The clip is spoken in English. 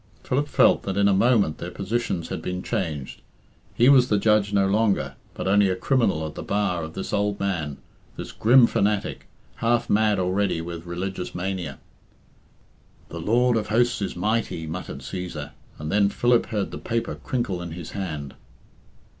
Philip felt that in a moment their positions had been changed. He was the judge no longer, but only a criminal at the bar of this old man, this grim fanatic, half mad already with religious mania. "The Lord of Hosts is mighty," muttered Cæsar; and then Philip heard the paper crinkle in his hand.